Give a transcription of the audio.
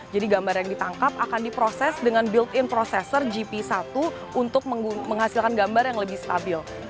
jadi gambar yang ditangkap akan diproses dengan built in processor gp satu untuk menghasilkan gambar yang lebih stabil